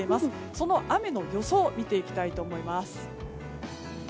その雨の予想を見ていきたいと思います。